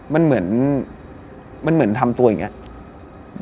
มันเหมือนมันเหมือนทำตัวอย่างนี้